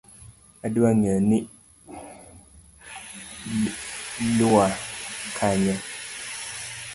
Odwa ng'eyo ni Iya kanye?